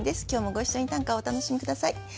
今日もご一緒に短歌をお楽しみ下さい。